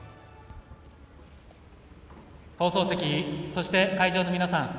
放送席、そして会場の皆さん。